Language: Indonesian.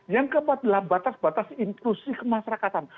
yang keempat adalah batas batas inklusi kemasyarakatan